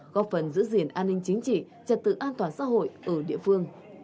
góp phần giữ gìn an ninh chính trị trật tự an toàn xã hội ở địa phương